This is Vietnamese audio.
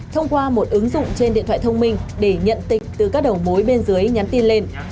thông qua một ứng dụng trên điện thoại thông minh để nhận tịch từ các đầu mối bên dưới nhắn tin lên